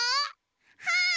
はい！